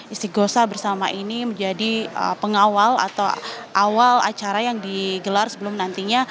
istiqosa bersama ini menjadi pengawal atau awal acara yang digelar sebelum nantinya